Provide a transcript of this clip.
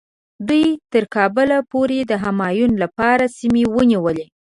دوی تر کابله پورې د همایون لپاره سیمې ونیولې.